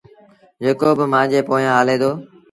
جيڪو با مآݩجي پويآنٚ هلي دو